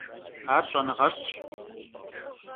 Ar ş'enığelh'ş.